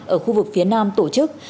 ở khu vực phía nam tổ chức